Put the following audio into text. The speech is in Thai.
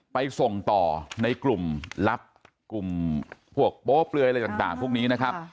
ไปส่งต่อในกลุ่มลับกลุ่มพวกโป๊เปลือยอะไรต่างพวกนี้นะครับ